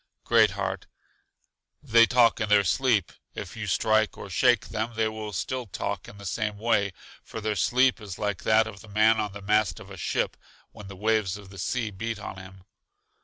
Great heart: They talk in their sleep. If you strike or shake them, they will still talk in the same way, for their sleep is like that of the man on the mast of a ship, when the waves of the sea beat on him.